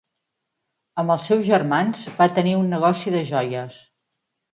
Amb els seus germans va tenir un negoci de joies.